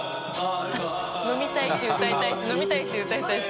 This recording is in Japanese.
飲みたいし歌いたいし飲みたいし歌いたいし。